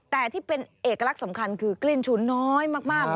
แต่ที่เป็นเอกลักษณ์สำคัญคือกลิ่นฉุนน้อยมาก